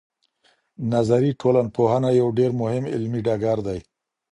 نظري ټولنپوهنه یو ډېر مهم علمي ډګر دی.